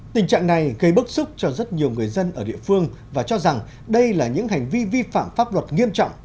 tình trạng này gây bức xúc cho rất nhiều người dân ở địa phương và cho rằng đây là những hành vi vi phạm pháp luật nghiêm trọng